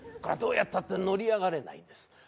これはどうやったって乗り上がれないんです。